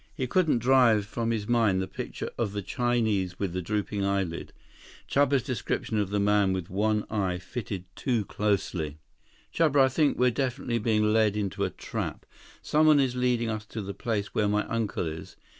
He couldn't drive from his mind the picture of the Chinese with the drooping eyelid. Chuba's description of the man with one eye fitted too closely. "Chuba, I think we're definitely being led into a trap. Someone is leading us to the place where my uncle is.